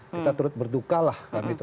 kita terus berduka lah kami